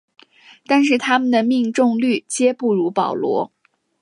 但是它们的命中率皆不如保罗。